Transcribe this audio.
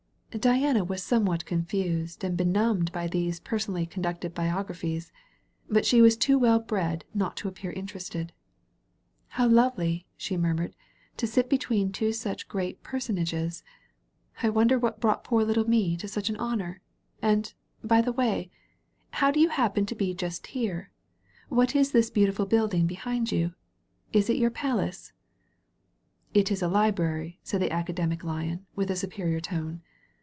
Diana was somewhat confused and benumbed by these personally conducted biographies, but she was too well bred not to appear interested. •*How lovely," she murmured, "to sit between two such Great Personages ! I wonder what brought poor little Me to such an honor. And, by the way, how do you happen to be just here? What is this beautiful building behind you ? Is it your Palace ?"It is a Library,*' said the Academic Lion, with a superior tone.